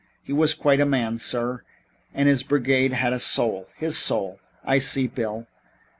He was quite a man, sir, and his brigade had a soul his soul " "I see, Bill.